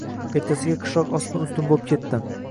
Ertasiga qishloq ostin-ustin bo‘p ketdi.